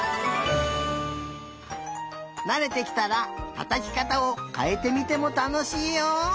なれてきたらたたきかたをかえてみてもたのしいよ！